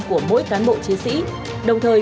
của mỗi cán bộ chiến sĩ đồng thời